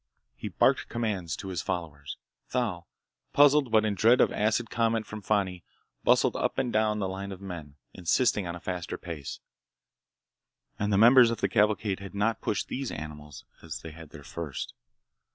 He barked commands to his followers. Thal, puzzled but in dread of acid comment from Fani, bustled up and down the line of men, insisting on a faster pace. And the members of the cavalcade had not pushed these animals as they had their first.